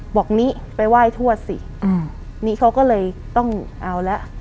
บอกนี้ไปไหว้ทวดสินี่เขาก็เลยต้องเอาแล้ว